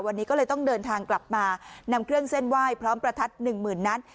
วันนี้ก็เลยต้องเดินทางกลับมานำเครื่องเส้นไหว้พร้อมประทัดหนึ่งหมื่นนัด